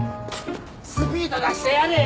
スピード出してやれよ！